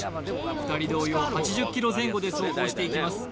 ２人同様８０キロ前後で走行していきます